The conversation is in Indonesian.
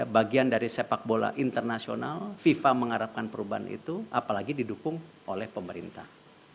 bagian dari sepak bola internasional fifa mengharapkan perubahan itu apalagi didukung oleh pemerintah